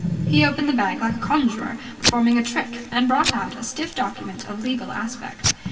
He opened the bag like a conjurer performing a trick, and brought out a stiff document of legal aspect.